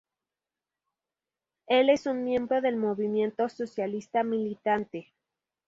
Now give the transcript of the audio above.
Él es un miembro del Movimiento Socialista Militante.